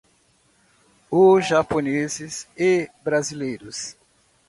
Os Japoneses e Brasileiros.